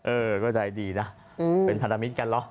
เออก็ใจดีนะเป็นพารามิตกันหรอ